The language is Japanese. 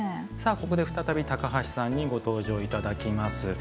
ここで再び、高橋さんにご登場いただきます。